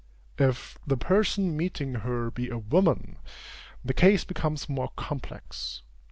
If the person meeting her be a woman, the case becomes more complex.